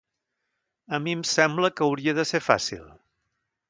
A mi em sembla que hauria de ser fàcil.